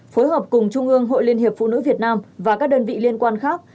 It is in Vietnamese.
phối hợp cùng trung ương hội liên hiệp phụ nữ việt nam và các đơn vị liên quan khác